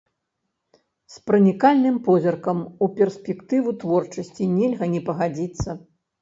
З пранікальным позіркам у перспектыву творчасці нельга не пагадзіцца.